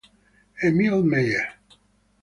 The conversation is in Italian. Emile Meyer